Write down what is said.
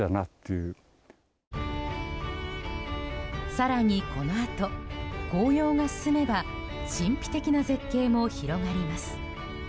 更に、このあと紅葉が進めば神秘的な絶景も広がります。